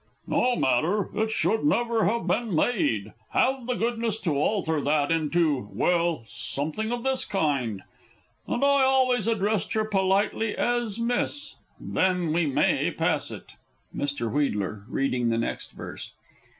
_ No matter it should never have been made. Have the goodness to alter that into well, something of this kind. "And I always addressed her politely as "Miss." Then we may pass it. Mr. W. (reading the next verse).